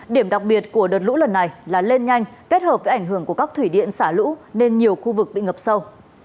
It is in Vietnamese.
điểm đặc biệt của đợt lũ lần này là lên nhanh kết hợp với ảnh hưởng của các thủy điện xả lũ nên nhiều khu vực bị ngập sâu